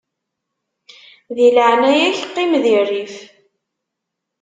Di leɛnaya-k qqim di rrif.